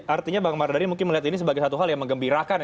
artinya bang omar dari mungkin melihat ini sebagai satu hal yang menggembirakan